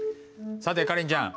さてカレンちゃん。